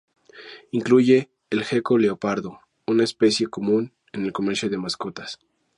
Incluye al gecko leopardo, una especie común en el comercio de mascotas.